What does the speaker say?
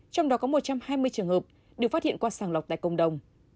trong đó có một trăm hai mươi trường hợp được phát hiện qua sàng lọc tại cộng đồng